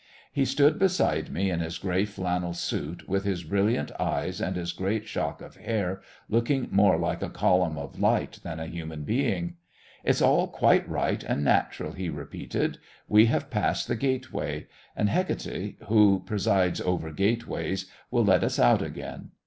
He stood beside me in his grey flannel suit, with his brilliant eyes and his great shock of hair, looking more like a column of light than a human being. "It's all quite right and natural," he repeated; "we have passed the gateway, and Hecate, who presides over gateways, will let us out again.